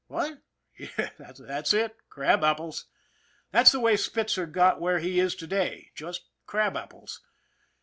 What? Yes, that's it crab apples. That's the way Spitzer got where he is to day just crab apples.